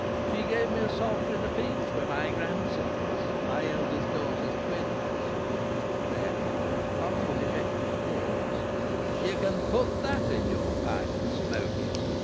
She give me a sovereign apiece for my grandsons my eldest daughter's twins." Then, after an effective pause: "Ye can put that in your pipe and smoke it!...